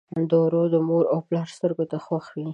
ورور د مور او پلار سترګو ته خوښ وي.